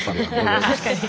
確かに。